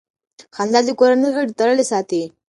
خندا د کورنۍ غړي تړلي ساتي.